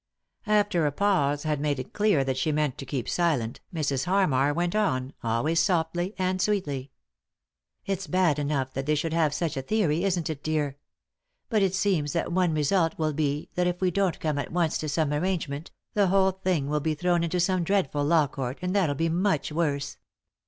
After a pause had made it clear that she meant to keep silent Mrs. Harmar went on, always softly and sweetly. " It's bad enough that they should have such a theory — isn't it, dear ? But it seems that one result will be that if we two don't come at once to some arrange ment, the whole thing will be thrown into some dread ful law court, and that'll be much worse.